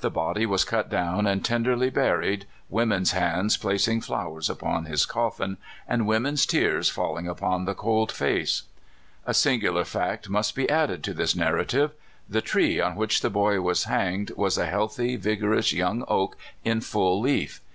The body was cut down and tenderly buried, women's hands placing flowers upon his coffin, and women's tears falling upon the cold face. A sinorular fact must be added to this narrative. The tree on which the boy was hanged was a healthy, vigorous young oak, in full leaf.